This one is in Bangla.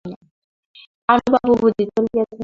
পানুবাবু বুঝি চলে গেছেন?